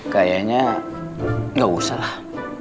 kaya nya gausah lah